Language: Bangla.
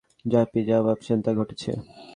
হ্যাপি, যা ভাবছেন, তা ঘটেনি।